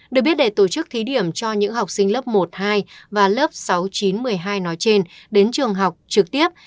được biết để tổ chức thí điểm cho những học sinh lớp một hai và lớp sáu chín một mươi hai nói trên đến trường học trực tiếp